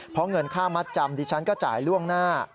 เพราะเงินค่ามัดจำดิฉันก็จ่ายล่วงหน้า